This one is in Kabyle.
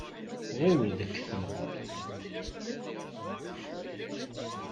Ɣiwel deg tenhaṛt.